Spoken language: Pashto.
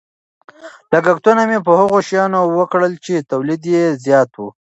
لګښتونه مې په هغو شیانو وکړل چې تولید یې زیاتاوه.